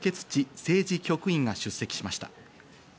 政治局員が出席しました。